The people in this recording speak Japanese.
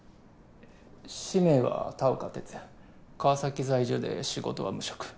氏名は田岡徹也川崎在住で仕事は無職。